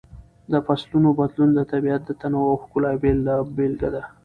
د فصلونو بدلون د طبیعت د تنوع او ښکلا یوه بله بېلګه ده.